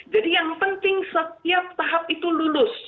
jadi yang penting setiap tahap itu lulus